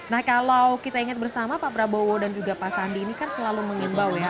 nah kalau kita ingat bersama pak prabowo dan juga pak sandi ini kan selalu mengimbau ya